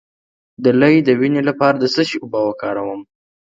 د لۍ د وینې لپاره د څه شي اوبه وکاروم؟